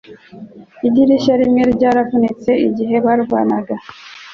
Idirishya rimwe ryaravunitse igihe barwanaga.